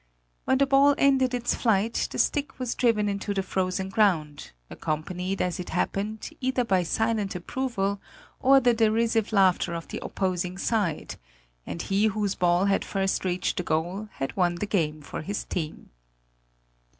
Where the ball ended its flight, the stick was driven into the frozen ground, accompanied, as it happened, either by silent approval or the derisive laughter of the opposing side; and he whose ball had first reached the goal, had won the game for his team.